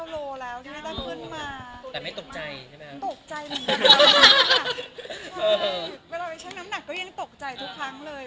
เวลาไปชั่งน้ำหนักก็ยังตกใจทุกครั้งเลย